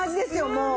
もう。